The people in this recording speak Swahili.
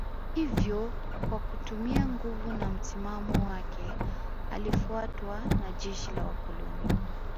Hivyo kwa kutumia nguvu na msimamo wake alifuatwa na jeshi la Wakoloni